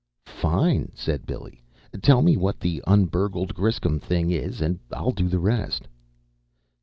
"Fine!" said Billy. "Tell me what the un burgled Griscom thing is, and I'll do the rest."